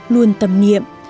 luôn tầm niệm